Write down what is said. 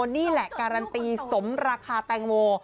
นี่แหละการันตีสมราคาแตงโม